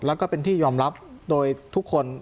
แล้วก็เป็นที่ยอมรับโดยทุกคน